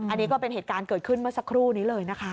อันนี้ก็เป็นเหตุการณ์เกิดขึ้นเมื่อสักครู่นี้เลยนะคะ